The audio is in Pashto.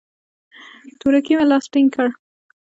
تورکي مې لاس ټينگ کړ.